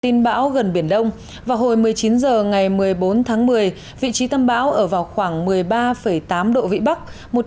tin bão gần biển đông vào hồi một mươi chín h ngày một mươi bốn tháng một mươi vị trí tâm bão ở vào khoảng một mươi ba tám độ vĩ bắc